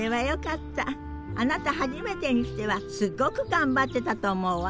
あなた初めてにしてはすっごく頑張ってたと思うわ。